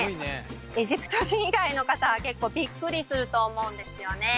エジプト人以外の方は結構ビックリすると思うんですよね